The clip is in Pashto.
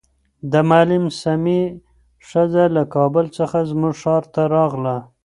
د معلم سمیع ښځه له کابل څخه زموږ ښار ته راغله.